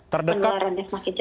penularannya semakin cepat